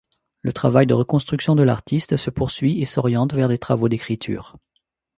Le travail de reconstruction de l’artiste se poursuit et s’oriente vers des travaux d’écriture.